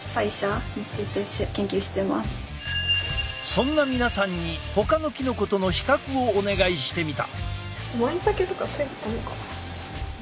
そんな皆さんに他のキノコとの比較をお願いしてみた。